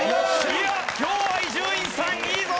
いや今日は伊集院さんいいぞ！